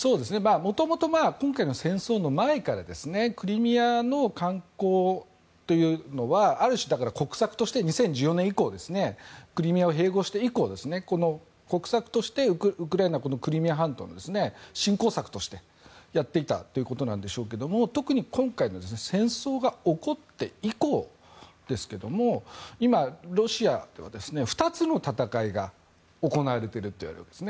元々、今回の戦争の前からクリミアの観光というのはある種国策として２０１４年以降クリミアを併合して以降国策としてウクライナ、クリミア半島の振興策としてやっていたということなんでしょうけど特に今回の戦争が起こって以降ですが今、ロシアでは２つの戦いが行われているわけです。